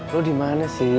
lo dimana sih